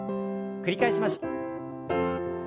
繰り返しましょう。